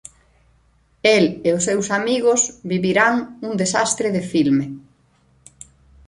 El e os seus amigos vivirán un desastre de filme.